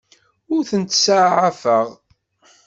Ur tent-ttsaɛafeɣ.